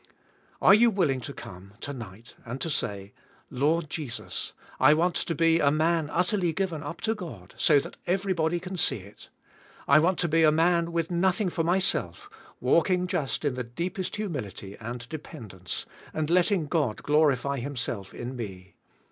Are you willing to come, to night, and to say, *'L<ord Jesus, 222 THE SPIRITUAL LIFE. I want to be a man utterly g iven up to God, so that everybody can see it. I want to be a man with nothing" for myself, walking" just in the deepest humility and dependence, and letting* God glorify Himself in me.